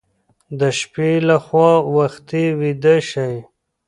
د شپې لخوا وختي ویده شئ.